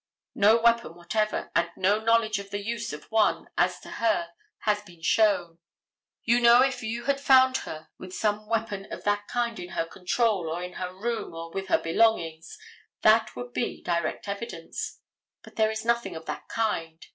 No weapon whatever, and no knowledge of the use of one, as to her, has been shown. You know if you had found her with some weapon of that kind in her control, or in her room, or with her belongings, that would be direct evidence. But there is nothing of that kind.